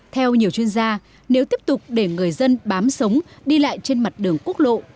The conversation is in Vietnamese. theo nhiều chuyên gia nếu tiếp tục để người dân bám sống đi lại trên mặt đường quốc lộ